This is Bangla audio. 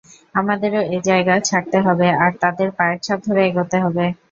আমাদেরও এ জায়গা ছাড়তে হবে, আর তাদের পায়ের ছাপ ধরে এগোতে হবে।